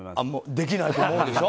できないと思うでしょ？